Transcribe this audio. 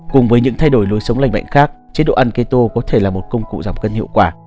cùng với những thay đổi lối sống lành bệnh khác chế độ ăn keto có thể là một công cụ giảm cân hiệu quả